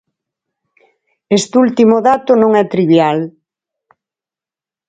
Este último dato non é trivial.